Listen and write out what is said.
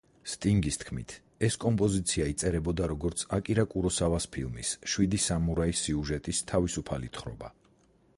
სტინგის თქმით, ეს კომპოზიცია იწერებოდა, როგორც აკირა კუროსავას ფილმის შვიდი სამურაი სიუჟეტის თავისუფალი თხრობა.